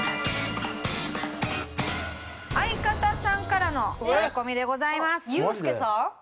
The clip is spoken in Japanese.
相方さんからのタレコミでございます。